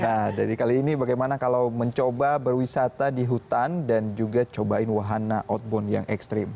nah dari kali ini bagaimana kalau mencoba berwisata di hutan dan juga cobain wahana outbound yang ekstrim